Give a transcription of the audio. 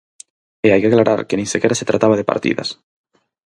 E hai que aclarar que nin sequera se trataba de partidas.